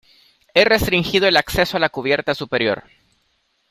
he restringido el acceso a la cubierta superior